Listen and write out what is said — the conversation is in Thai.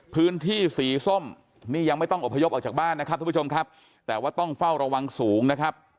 พื้นที่สีส้มนี่ยังไม่ต้องอบพยพออกจากบ้านนะครับทุกผู้ชมครับแต่ว่าต้องเฝ้าระวังสูงนะครับ